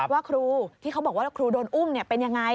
ว่าครูที่เขาบอกว่าครูโดนอุ้มเป็นยังไง